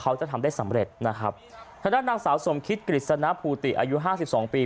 เขาจะทำได้สำเร็จนะครับถ้าด้านนางสาวสมคิตกฤษณภูติอายุ๕๒ปี